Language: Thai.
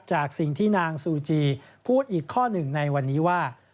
จากสิ่งที่นางซูจีพูดอีกข้อหนึ่งในวันนี้ว่า